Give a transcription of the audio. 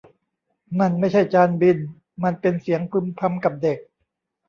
นั่นไม่ใช่จานบินมันเป็นเสียงพึมพำกับเด็ก